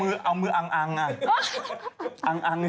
เอามืออังอ่ะอังอย่างนี้เฉย